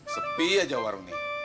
sepi aja warung ini